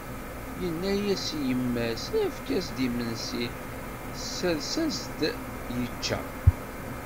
Yenna-as i yemma-s: Efk-as-d imensi, tesres-as-d yečča.